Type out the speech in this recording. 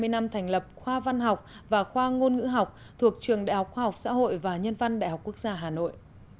hai mươi năm thành lập khoa văn học và khoa ngôn ngữ học thuộc trường đại học khoa học xã hội và nhân văn đại học quốc gia hà nội